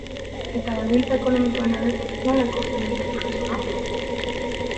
Eta baldintza ekonomikoen aldetik, nola ikusten duzu etorkizuna?